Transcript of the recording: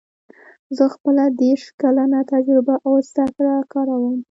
زه خپله دېرش کلنه تجربه او زده کړه کاروم